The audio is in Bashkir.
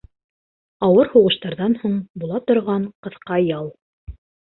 ...Ауыр һуғыштарҙан һуң була торған ҡыҫҡа ял.